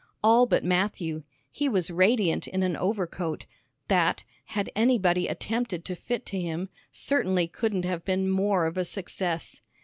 All but Matthew; he was radiant in an overcoat, that, had anybody attempted to fit to him, certainly couldn't have been more of a success.